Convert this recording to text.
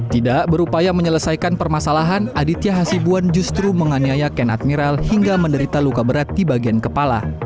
tidak berupaya menyelesaikan permasalahan aditya hasibuan justru menganiaya ken admiral hingga menderita luka berat di bagian kepala